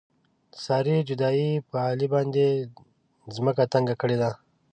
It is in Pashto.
د سارې جدایۍ په علي باندې ځمکه تنګه کړې ده.